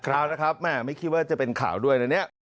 คราวนะครับแม่ไม่คิดว่าจะเป็นข่าวด้วยนะเนี่ย